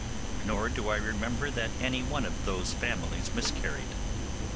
Nor do I remember that any one of those families miscarried.